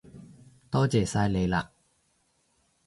多謝晒你喇